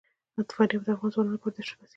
فاریاب د افغان ځوانانو لپاره دلچسپي لري.